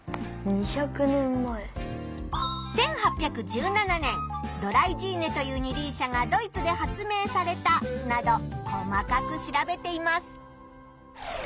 「１８１７年ドライジーネという二輪車がドイツで発明された」など細かく調べています。